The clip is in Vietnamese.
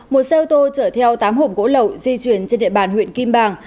một xe ô tô chở theo tám hộp gỗ lậu di chuyển trên địa bàn huyện kim bàng